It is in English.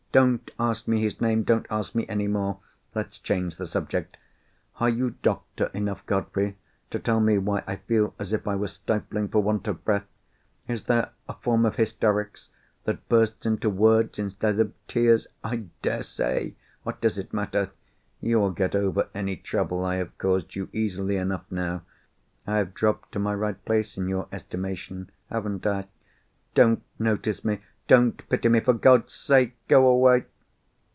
Don't ask me his name! Don't ask me any more! Let's change the subject. Are you doctor enough, Godfrey, to tell me why I feel as if I was stifling for want of breath? Is there a form of hysterics that bursts into words instead of tears? I dare say! What does it matter? You will get over any trouble I have caused you, easily enough now. I have dropped to my right place in your estimation, haven't I? Don't notice me! Don't pity me! For God's sake, go away!"